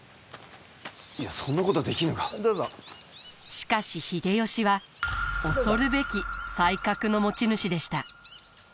しかし秀吉は恐るべき才覚の持ち主でした。